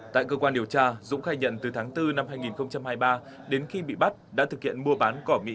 tại cơ quan điều tra dũng khai nhận từ tháng bốn năm hai nghìn hai mươi ba đến khi bị bắt đã thực hiện mua bán cỏ mỹ